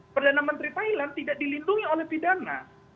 perdana menteri thailand tidak dilindungi oleh pidana